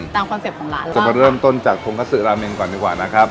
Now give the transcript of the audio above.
ตามคอนเซ็ปต์ของร้านเราเราจะไปเริ่มต้นจากโทงกะซึราเมงก่อนดีกว่านะครับ